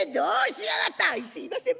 「すみません。